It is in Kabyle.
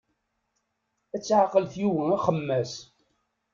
Ad teɛqel tyuga axemmas.